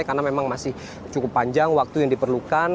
karena memang masih cukup panjang waktu yang diperlukan